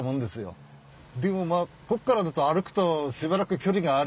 でもまあここからだと歩くとしばらく距離があるよ。